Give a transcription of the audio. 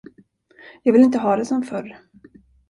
Jag vill inte ha det som förr.